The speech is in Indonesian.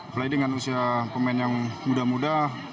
fly dengan usia pemain yang muda muda